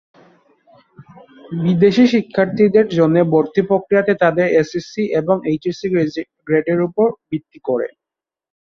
বিদেশী শিক্ষার্থীদের জন্য ভর্তি প্রক্রিয়াতে তাদের এসএসসি এবং এইচএসসি গ্রেডের উপর ভিত্তি করে।